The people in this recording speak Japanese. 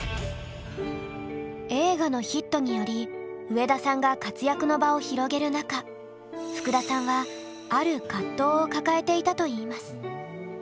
映画のヒットにより上田さんが活躍の場を広げる中ふくださんはある葛藤を抱えていたといいます。